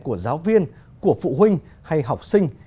của giáo viên của phụ huynh hay học sinh